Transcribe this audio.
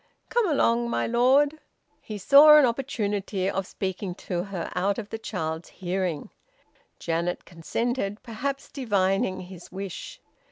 Come along, my lord." He saw an opportunity of speaking to her out of the child's hearing. Janet consented, perhaps divining his wish.